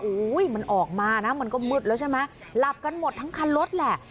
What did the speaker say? มันออกมานะมันก็มืดแล้วใช่ไหมหลับกันหมดทั้งคันรถแหละ